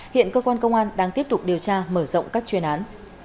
hiện cơ quan công an đang tiếp tục điều tra mở rộng các chuyên án